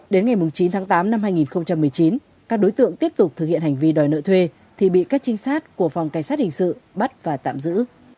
đến ngày chín tháng tám năm hai nghìn một mươi chín các đối tượng tiếp tục thực hiện hành vi đòi nợ thuê thì bị các trinh sát của phòng cảnh sát hình sự bắt và tạm giữ